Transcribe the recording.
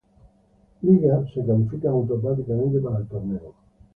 Liga se califican automáticamente para el torneo.